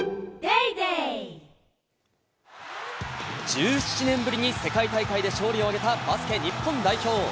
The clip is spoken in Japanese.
１７年ぶりに世界大会で勝利を挙げたバスケ日本代表。